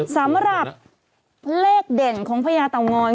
สำหรับเลขเด่นของพญาเตางอย